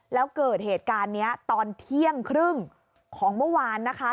แล้วเกิดเหตุการณ์นี้ตอนเที่ยงครึ่งของเมื่อวานนะคะ